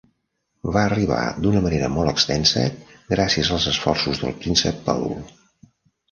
Va arribar d'una manera molt extensa gràcies als esforços del príncep Paul.